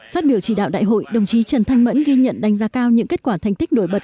phát biểu chỉ đạo đại hội đồng chí trần thanh mẫn ghi nhận đánh giá cao những kết quả thành tích nổi bật